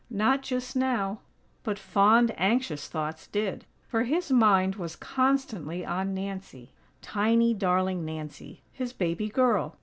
Not just now; but fond, anxious thoughts did; for his mind was constantly on Nancy; tiny, darling Nancy, his baby girl.